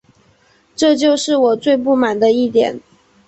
这就是我最不满的一点